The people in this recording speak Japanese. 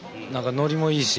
ノリもいいし？